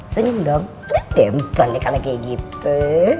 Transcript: senyum dong redemkan nih kalo kayak gitu